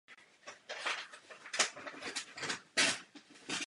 V tomto díle je zjevný vliv Monteverdiho.